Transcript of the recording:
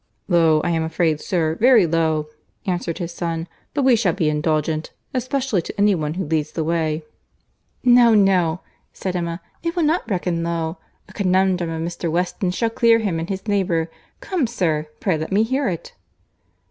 "Low, I am afraid, sir, very low," answered his son;—"but we shall be indulgent—especially to any one who leads the way." "No, no," said Emma, "it will not reckon low. A conundrum of Mr. Weston's shall clear him and his next neighbour. Come, sir, pray let me hear it."